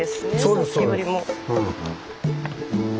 さっきよりも。